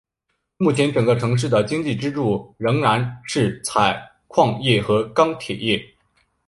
目前整个城市的经济支柱依然是采矿业和钢铁业。